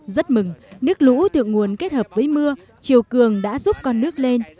rất mừng nước lũ thượng nguồn kết hợp với mưa chiều cường đã giúp con nước lên